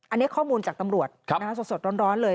อันนี้ข้อมูลจากตำรวจสดร้อนเลย